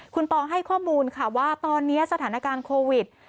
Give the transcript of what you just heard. คุณปอให้ข้อมูลค่ะว่าตอนนี้สถานการณ์โควิด